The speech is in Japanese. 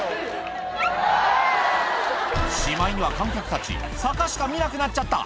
しまいには観客たち、坂しか見なくなっちゃった。